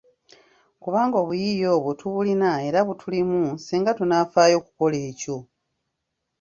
Kubanga obuyiiya obwo tubulina era butulimu singa tunaafaayo okukola ekyo.